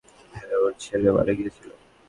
হ্যাঁ, ওর ছেলে মারা গিয়েছিল।